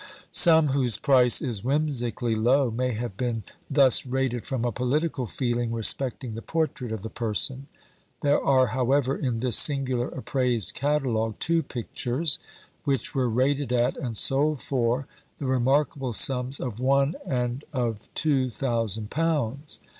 Some whose price is whimsically low may have been thus rated from a political feeling respecting the portrait of the person; there are, however, in this singular appraised catalogue two pictures, which were rated at, and sold for, the remarkable sums of one and of two thousand pounds.